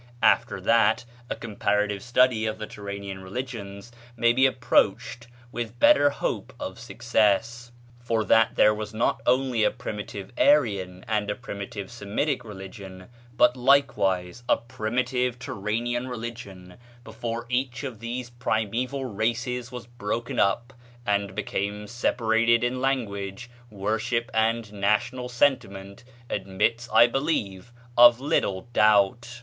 After that, a comparative study of the Turanian religions may be approached with better hope of success; for that there was not only a primitive Aryan and a primitive Semitic religion, but likewise a primitive Turanian religion, before each of these primeval races was broken up and became separated in language, worship and national sentiment, admits, I believe, of little doubt....